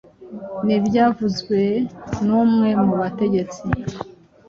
Ni ibyavuzwe n'umwe mu bategetsi